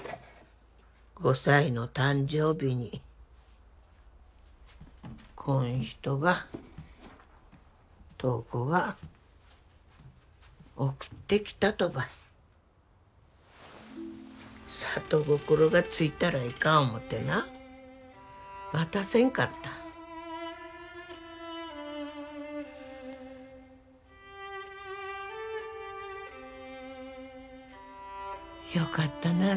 ５歳の誕生日にこん人が塔子が送ってきたとばい里心がついたらいかん思うてな渡せんかったよかったなあ